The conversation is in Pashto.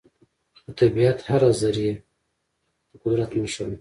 د طبیعت هره ذرې د قدرت نښه ده.